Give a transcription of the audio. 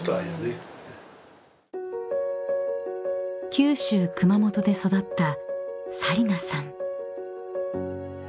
［九州熊本で育った紗理那さん］